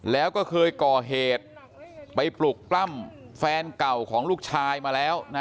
แล้วก็เคยก่อเหตุไปปลุกปล้ำแฟนเก่าของลูกชายมาแล้วนะ